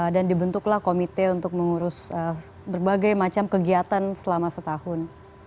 dan dibentuklah komite untuk mengurus berbagai macam kegiatan selama setahun